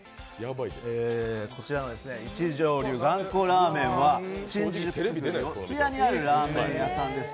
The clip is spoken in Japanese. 一条流がんこラーメンは新宿区四谷にあるラーメン屋さん。